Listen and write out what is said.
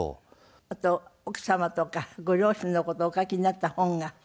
あと奥様とかご両親の事をお書きになった本が。